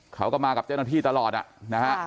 เขาก็มากับเจ้าหน้าที่ตลอดนะฮะ